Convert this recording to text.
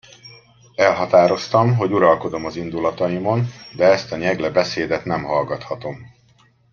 Elhatároztam, hogy uralkodom az indulataimon, de ezt a nyegle beszédet nem hallgathatom!